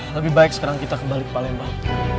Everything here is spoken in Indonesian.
lebih baik sekarang kita kembali ke palembang